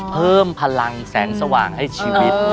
เพิ่มพลังแสงสว่างให้ชีวิต